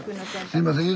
すいません。